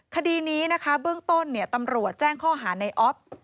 คดีนี้นะคะเบื้องต้นตำรวจแจ้งข้อหาในออฟ